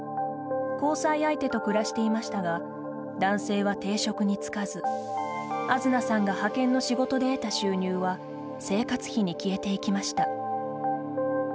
交際相手と暮らしていましたが男性は定職に就かずあづなさんが派遣の仕事で得た収入は生活費に消えていきました。